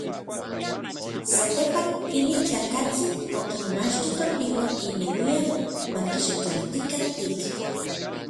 Satepan, inin tlakatsin okinmachti tokniuan inneuian makixotlaltikan titl.